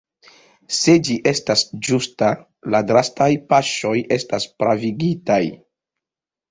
Se ĝi estas ĝusta la drastaj paŝoj estas pravigitaj.